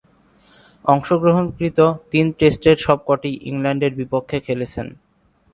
অংশগ্রহণকৃত তিন টেস্টের সবকটিই ইংল্যান্ডের বিপক্ষে খেলেছেন।